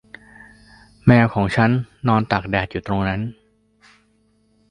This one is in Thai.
แมวของฉันนอนตากแดดตรงนั้น